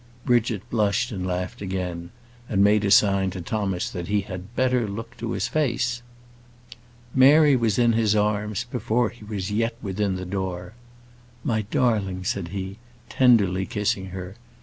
Bridget blushed and laughed again, and made a sign to Thomas that he had better look to his face. Mary was in his arms before he was yet within the door. "My darling," said he, tenderly kissing her.